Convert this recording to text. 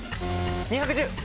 ２１０。